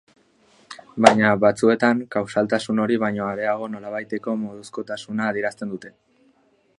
Baina, batzuetan, kausaltasun hori baino areago nolabaiteko moduzkotasuna adierazten dute.